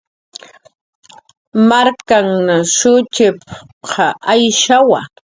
"Marknhan shutxp""q Ayshawa."